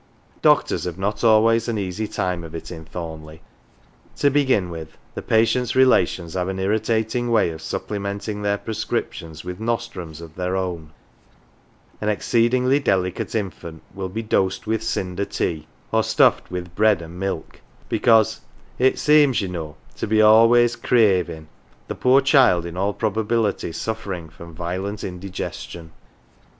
Doctors have not always an easy time of it in Thorn leigh. To begin with, the patients' relations have an irritating way of supplementing their prescriptions with nostrums of their own ; an exceedingly delicate infant will be dosed with cinder tea, or stuffed with bread and milk, because "it seems, ye know, to be always cravin >r> the poor child, in all probability, suffering from violent indigestion.